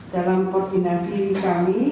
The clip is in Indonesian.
dalam koordinasi kami